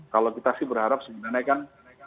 kalau kita sih berharap sebenarnya kan